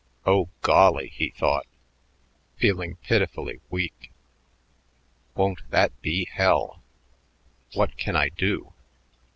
"Oh, golly," he thought, feeling pitifully weak, "won't that be hell? What can I do?"